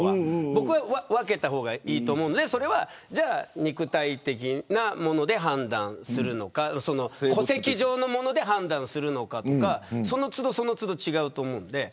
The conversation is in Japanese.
僕は分けた方がいいと思うので肉体的なもので判断するのか戸籍上で判断するのかとかその都度違うと思うので。